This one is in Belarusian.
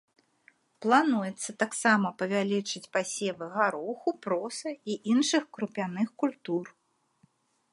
Плануецца таксама павялічыць пасевы гароху, проса і іншых крупяных культур.